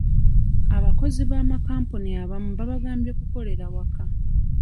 Abakozi b'amakampuni abamu babagambye kukolera waka.